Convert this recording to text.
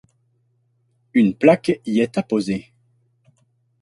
Une plaque y est apposée.